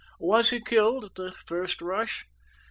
"Was he killed at the first rush?"